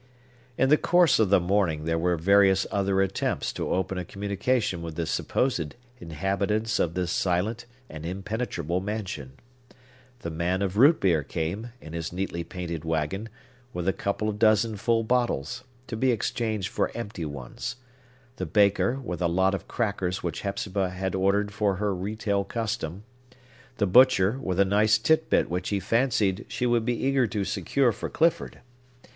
In the course of the morning, there were various other attempts to open a communication with the supposed inhabitants of this silent and impenetrable mansion. The man of root beer came, in his neatly painted wagon, with a couple of dozen full bottles, to be exchanged for empty ones; the baker, with a lot of crackers which Hepzibah had ordered for her retail custom; the butcher, with a nice titbit which he fancied she would be eager to secure for Clifford.